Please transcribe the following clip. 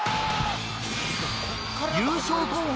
優勝候補